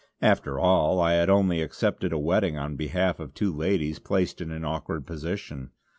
After all I had only accepted a wetting on behalf of two ladies placed in an awkward position.